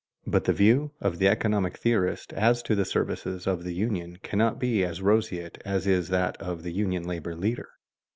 But the view of the economic theorist as to the services of the union cannot be as roseate as is that of the union labor leader.